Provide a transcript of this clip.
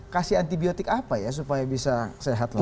kasih antibiotik apa ya supaya bisa sehat lagi